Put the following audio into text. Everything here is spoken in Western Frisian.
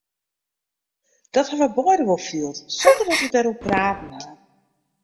Dat ha we beide wol field sonder dat we dêroer praten ha.